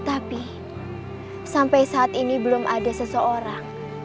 aku ingin sekarang